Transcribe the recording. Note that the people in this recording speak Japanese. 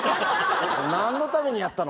何のためにやったの？